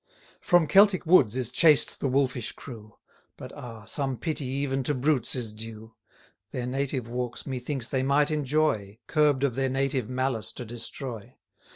From Celtic woods is chased the wolfish crew; But ah! some pity even to brutes is due: Their native walks methinks they might enjoy, Curb'd of their native malice to destroy.